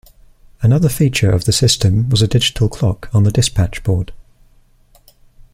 Another feature of the system was a digital clock on the dispatch board.